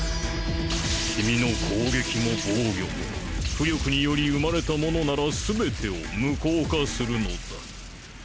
君の攻撃も防御も巫力により生まれたものならすべてを無効化するのだ。